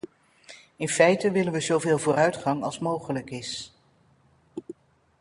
In feite willen we zoveel vooruitgang als mogelijk is.